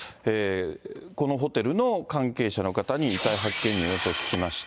このホテルの関係者の方に遺体発見時の様子を聞きました。